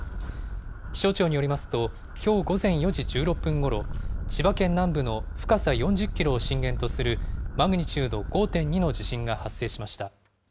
気象庁によりますと、きょう午前４時１６分ごろ、千葉県南部の深さ４０キロを震源とするマグニチュード５．２の地震が発生しました。